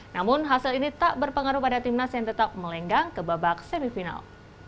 namun hasil ini tak berpengaruh pada timnas yang tetap melenggang ke babak semifinal